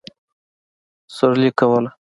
سورلي کوله.